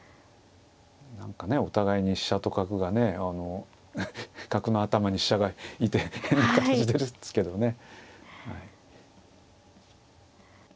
何かねお互いに飛車と角がね角の頭に飛車がいて変な形ですけどね。